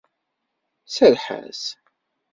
Serreḥ-as.